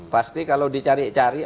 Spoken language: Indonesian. pasti kalau dicari cari